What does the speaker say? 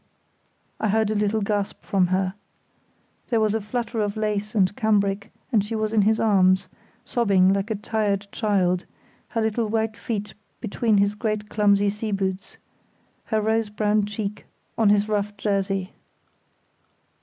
I heard a little gasp from her. There was a flutter of lace and cambric and she was in his arms, sobbing like a tired child, her little white feet between his great clumsy sea boots—her rose brown cheek on his rough jersey.